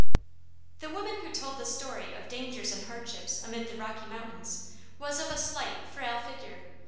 The woman who told this story of dangers and hardships amid the Rocky Mountains was of a slight, frail figure.